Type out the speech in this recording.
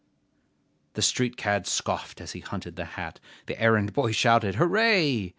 The street cad scoffed as he hunted the hat, The errand boy shouted hooray!